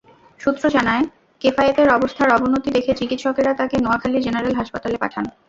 সূত্র জানায়, কেফায়েতের অবস্থার অবনতি দেখে চিকিৎসকেরা তাঁকে নোয়াখালী জেনারেল হাসপাতালে পাঠান।